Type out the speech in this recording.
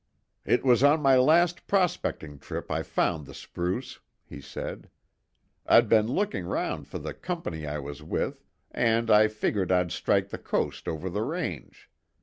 "It was on my last prospecting trip I found the spruce," he said. "I'd been looking round for the Company I was with, and I figured I'd strike the coast over the range.